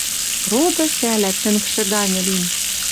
Роды хӓлӓ тӹнгшӹ ганьы лин.